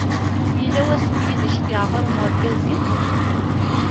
Yella wass ideg d-iceggeɛ ɣur-m urgaz-im?